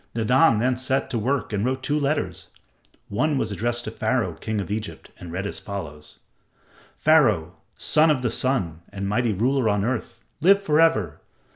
Nadan then set to work and wrote two letters. One was addressed to Pharaoh, king of Egypt, and read as follows: "Pharaoh, son of the Sun and mighty ruler on earth, live for ever!